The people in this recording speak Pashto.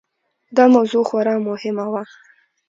دا موضوع خورا مهمه وه.